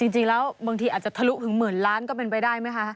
จริงแล้วบางทีอาจจะทะลุถึงหมื่นล้านก็เป็นไปได้ไหมคะ